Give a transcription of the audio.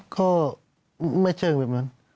ก็ไม่เชิงแบบนั้น